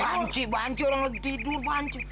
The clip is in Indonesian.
banci banci orang lagi tidur banci